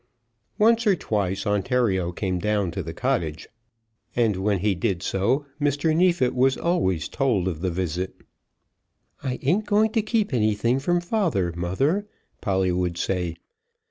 Once or twice Ontario came down to the cottage, and when he did so, Mr. Neefit was always told of the visit. "I ain't going to keep anything from father, mother," Polly would say.